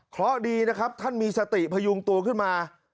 เพราะดีนะครับท่านมีสติพยุงตัวขึ้นมา